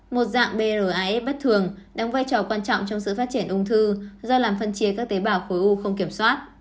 một dạng bras bất thường đóng vai trò quan trọng trong sự phát triển ung thư do làm phân chia các tế bào khối u không kiểm soát